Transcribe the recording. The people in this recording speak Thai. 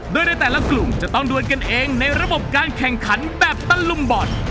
โดยในแต่ละกลุ่มจะต้องดวนกันเองในระบบการแข่งขันแบบตะลุมบ่อน